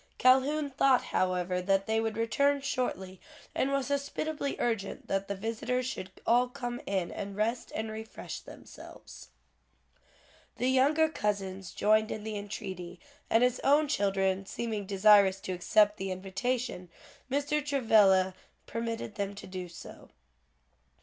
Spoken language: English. Calhoun thought however that they would return shortly, and was hospitably urgent that the visitors should all come in and rest and refresh themselves. The younger cousins joined in the entreaty, and his own children seeming desirous to accept the invitation, Mr. Travilla permitted them to do so.